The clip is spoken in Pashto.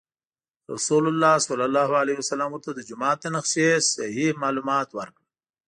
رسول الله صلی الله علیه وسلم ورته د جومات د نقشې صحیح معلومات ورکړل.